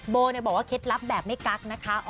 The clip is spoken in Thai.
โบบอกว่าเคล็ดลับแบบไม่กักนะคะ